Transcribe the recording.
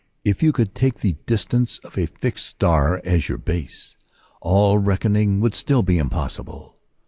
If you could take the distance of a fixed star as your base, all reckoning would still be impossible.